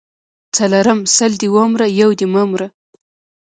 څلرم:سل دي ومره یو دي مه مره